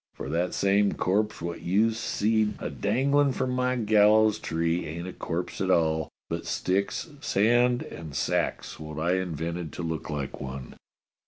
For that same corpse wot you've seed a danglin' from my gallows tree ain't a corpse at all, but sticks, sand, and sacks wot I invented to look like one."